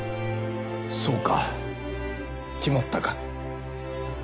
そうか決まったか。